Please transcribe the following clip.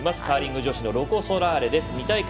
カーリング女子のロコ・ソラーレです。